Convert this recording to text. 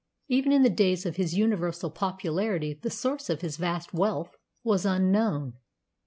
Even in the days of his universal popularity the source of his vast wealth was unknown.